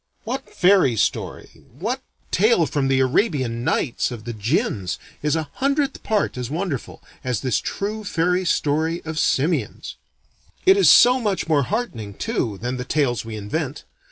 What fairy story, what tale from the Arabian Nights of the jinns, is a hundredth part as wonderful as this true fairy story of simians! It is so much more heartening, too, than the tales we invent.